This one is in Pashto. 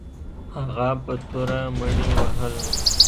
هغه په توره مړي وهل.